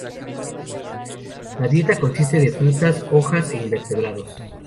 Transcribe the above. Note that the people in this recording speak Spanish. La dieta consiste de frutas, hojas e invertebrados